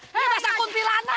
ini bahasa the kunti lana